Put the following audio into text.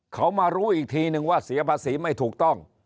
เขามารู้อีกทีนึงว่าเสียภาษีไม่ถูกต้อง